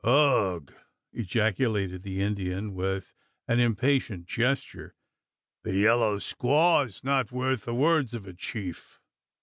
"Ugh!" ejaculated the Indian with an impatient gesture. "The yellow squaw is not worth the words of a chief.